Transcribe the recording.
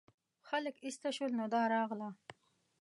خلک ایسته شول نو دا راغله.